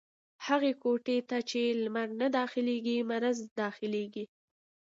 هغي کوټې ته چې لمر نه داخلېږي ، مرض دا خلېږي.